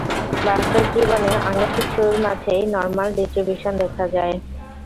বাস্তব জীবনে অনেক কিছুর মাঝেই নরমাল ডিস্ট্রিবিউসন দেখা যায়।